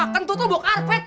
kentut lo bawa karpet tau gak